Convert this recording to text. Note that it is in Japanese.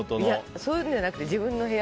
そういうのじゃなくて自分の部屋。